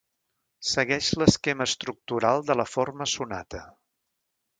Segueix l'esquema estructural de la forma sonata.